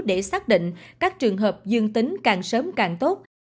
để xác định các trường hợp dương tính càng sớm càng tốt